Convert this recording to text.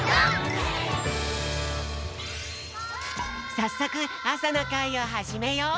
さっそくあさのかいをはじめよう！